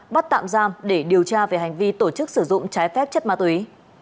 bắt tạm giam để điều tra về hành vi tổ chức sử dụng trái phép chất ma túy